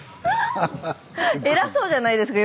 偉そうじゃないですか。